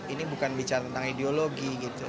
ini bukan bicara tentang ideologi gitu